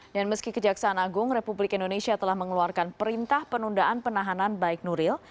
dan meski kejaksaan agung republik indonesia telah mengeluarkan perintah penundaan penahanan baik nuril